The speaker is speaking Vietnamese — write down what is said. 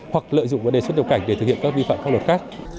hoặc lợi dụng vấn đề xuất nhập cảnh để thực hiện các vi phạm pháp luật khác